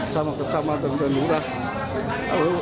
sama kecamatan dan lurah